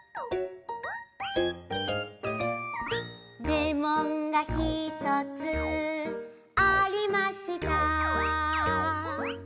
「レモンがひとつありました」